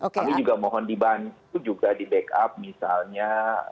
kami juga mohon dibantu juga di backup misalnya